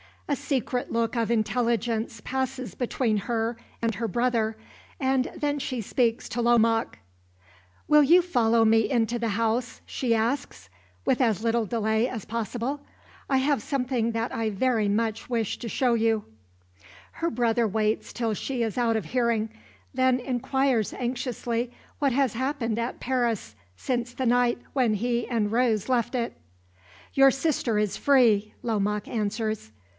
A secret look of intelligence passes between her and her brother, and then she speaks to Lomaque. "Will you follow me into the house," she asks, "with as little delay as possible? I have something that I very much wish to show you." Her brother waits till she is out of hearing, then inquires anxiously what has happened at Paris since the night when he and Rose left it. "Your sister is free," Lomaque answers.